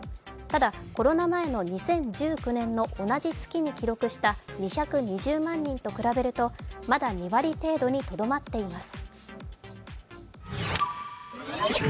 ただ、コロナ前の２０１９年の同じ月に記録した２２０万人と比べると、まだ２割程度にとどまっています。